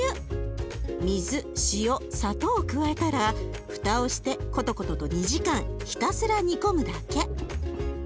水塩砂糖を加えたら蓋をしてコトコトと２時間ひたすら煮込むだけ。